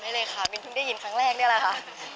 เลยค่ะมิ้นเพิ่งได้ยินครั้งแรกนี่แหละค่ะ